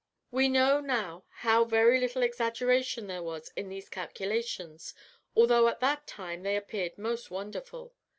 We know now how very little exaggeration there was in these calculations, although at that time they appeared most wonderful.